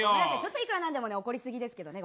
いくらなんでも怒り過ぎですけどね。